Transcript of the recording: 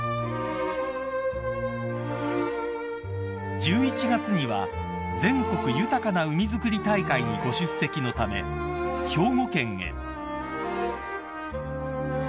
［１１月には全国豊かな海づくり大会にご出席のため兵庫県へ］